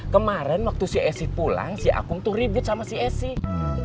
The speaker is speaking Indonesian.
kemaren waktu si aceh pulang si akung tuh ribet sama si aceh